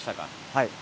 はい。